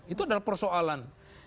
itu adalah persoalan